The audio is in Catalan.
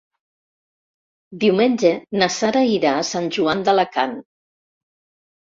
Diumenge na Sara irà a Sant Joan d'Alacant.